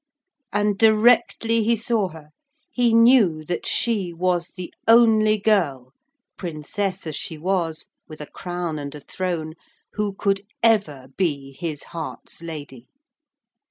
And directly he saw her he knew that she was the only girl, Princess as she was, with a crown and a throne, who could ever be his heart's lady.